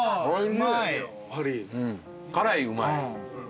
辛いうまい。